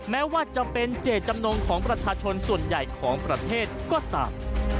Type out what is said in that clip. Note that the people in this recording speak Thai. แม้ว่าจะเป็นเจตจำนงของประชาชนส่วนใหญ่ของประเทศก็ตาม